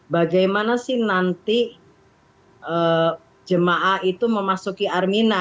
bagaimana sih nanti jemaah itu memasuki armina